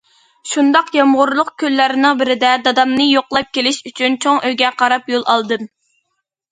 شۇنداق يامغۇرلۇق كۈنلەرنىڭ بىرىدە دادامنى يوقلاپ كېلىش ئۈچۈن چوڭ ئۆيگە قاراپ يول ئالدىم.